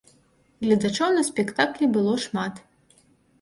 Гледачоў на спектаклі было шмат.